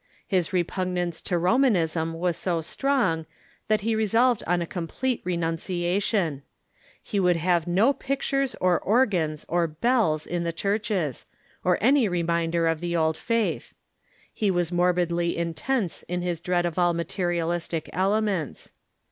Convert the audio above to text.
His repugnance to Romanism was so strong „.... that he resolved on a complete renunciation. He Variations from ,^ i i • the German Avould have no pictures or organs or bells in the Reform churches, or any reminder of the old faith. He was morbidly intense in his dread of all materialistic elements.